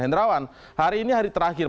hendrawan hari ini hari terakhir